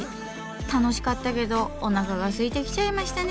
楽しかったけどおなかがすいてきちゃいましたね。